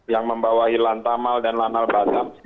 yang membawahi lantamal dan lanal bazam